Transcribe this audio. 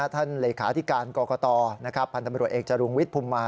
ท่านเหลขาอธิการกรกตพันธมิตรวจเอกจรุงวิทย์ภูมิมา